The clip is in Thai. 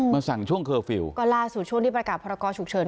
มาสั่งช่วงเคอร์ฟิลล์ก็ล่าสุดช่วงที่ประกาศพรกรฉุกเฉิน